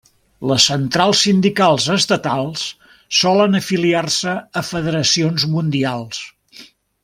Les centrals sindicals estatals solen afiliar-se a federacions mundials.